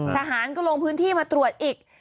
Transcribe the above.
ทหารก็ลงพื้นที่มาตรวจอีก